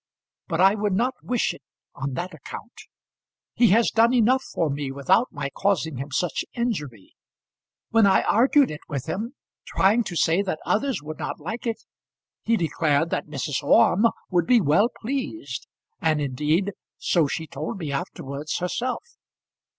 But I would not wish it on that account. He has done enough for me without my causing him such injury. When I argued it with him, trying to say that others would not like it, he declared that Mrs. Orme would be well pleased, and, indeed, so she told me afterwards herself.